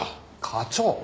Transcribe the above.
課長。